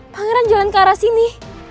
pangeran jalan ke arah sini